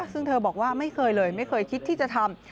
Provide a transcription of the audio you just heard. ซึ่งเธอบอกว่าไม่เคยเลยไม่เคยคิดที่จะทำ